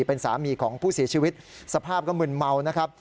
เป็นสามีของผู้เสียชีวิตสภาพก็มึนเมานะครับ